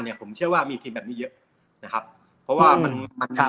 ผมเชื่อว่ามีทีมแบบนี้เยอะนะครับเพราะว่ามันมัน